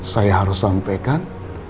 saya harus sampaikan